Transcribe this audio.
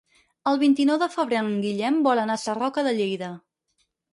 El vint-i-nou de febrer en Guillem vol anar a Sarroca de Lleida.